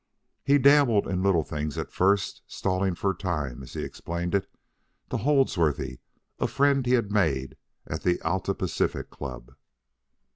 He dabbled in little things at first "stalling for time," as he explained it to Holdsworthy, a friend he had made at the Alta Pacific Club.